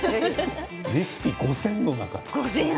レシピ５０００の中？